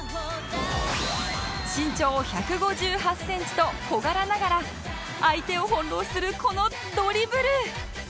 身長１５８センチと小柄ながら相手を翻弄するこのドリブル！